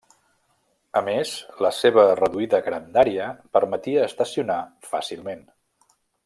A més, la seva reduïda grandària permetia estacionar fàcilment.